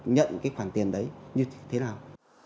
nhận cái khoản tiền đấy như thế nào